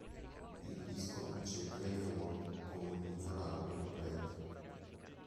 Il disco vince il Grammy Award come miglior album reggae.